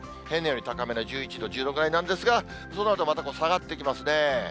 平年より高めの１１度、１０度ぐらいなんですが、そのあとまた下がってきますね。